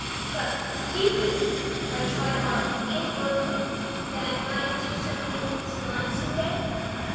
But do you think—if I try hard and work hard—that I might do something in this line some day?"